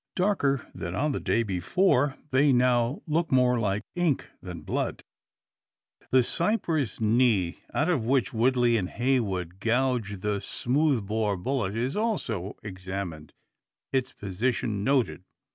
Darker than on the day before, they now look more like ink than blood! The cypress knee, out of which Woodley and Heywood "gouged" the smooth bore bullet, is also examined, its position noted.